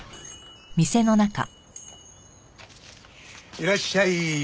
いらっしゃい。